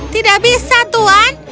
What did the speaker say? tidak bisa tuan